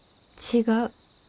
違う。